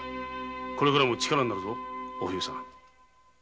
これからも力になるぞお冬さん。